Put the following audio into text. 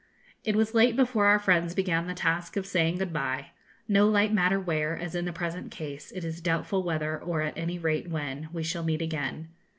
It was late before our friends began the task of saying good bye no light matter where, as in the present case, it is doubtful whether, or at any rate when, we shall meet again.